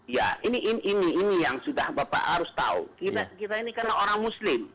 ya ini yang sudah bapak harus tahu kita ini karena orang muslim